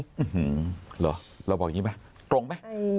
เหรอเราบอกอย่างนี้ไหมตรงไหม